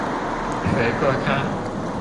學做菜